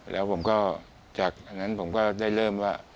แล้วผมก็จากอันนั้นผมก็ได้เริ่มว่า